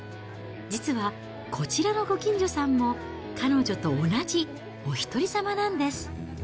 実は、こちらのご近所さんも彼女と同じお一人様なんです。